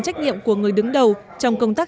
trách nhiệm của người đứng đầu trong công tác